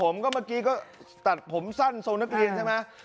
เมื่อกี้ก็ตัดผมสั้นทรงนักเรียนใช่ไหม